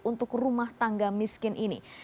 untuk rumah tangga miskin ini